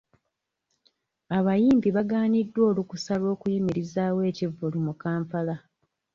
Abayimbi bagaaniddwa olukusa lw'okuyimirizaawo ekivvulu mu Kampala.